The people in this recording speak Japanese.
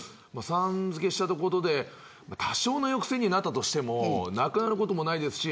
さん付けしたところで多少の抑制になったとしてもなくなることもないですし